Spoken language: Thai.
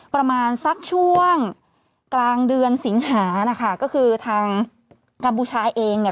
ประมาณสักช่วงกลางเดือนสิงหานะคะก็คือทางกัมพูชาเองเนี่ย